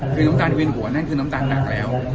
คือน้ำตาลเวียนหัวนั่นคือน้ำตาลหนักแล้ว